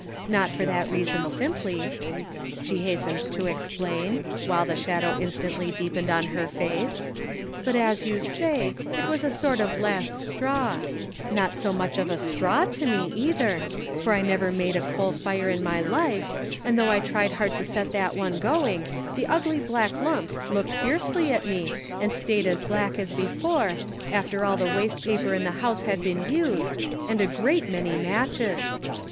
Not for that reason simply," she hastened to explain, while the shadow instantly deepened on her face, " but as you say, it was 308 The Pocket Measure. a sort of last straw ; not so much of a straw to me, either, for I never made a coal fire in my life, and though I tried hard to set that one going, the ugly black lumps looked fiercely at me and stayed as black as before, after all the waste paper in the house had been used, and a great many matches.